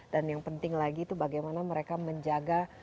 dan yang penting lagi itu bagaimana mereka menjaga